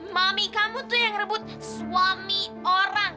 mami kamu tuh yang rebut suami orang